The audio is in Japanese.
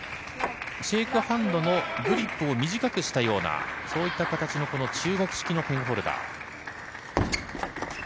シェークハンドのグリップを短くしたようなそういった形のこの中国式のペンホルダー。